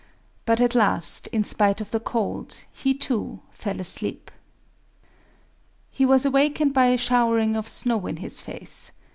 But at last, in spite of the cold, he too fell asleep. He was awakened by a showering of snow in his face.